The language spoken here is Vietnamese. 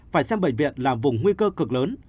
phải xem bệnh viện là vùng nguy cơ cực lớn